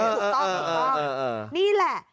ถูกต้องนี่แหละ